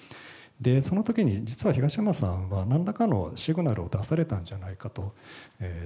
そのときに実は、東山さんはなんらかのシグナルを出されたんじゃないかと。